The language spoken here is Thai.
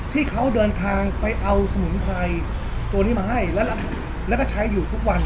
ที่เขาเดินทางไปเอาสมุนไพรตัวนี้มาให้แล้วก็ใช้อยู่ทุกวัน